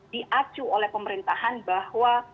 diacu oleh pemerintahan bahwa